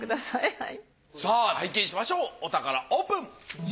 さあ拝見しましょうお宝オープン。